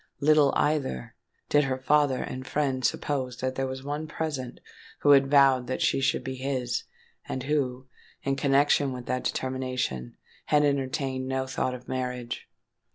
Little, either, did her father and friend suppose that there was one present who had vowed that she should be his, and who, in connection with that determination, had entertained no thought of marriage.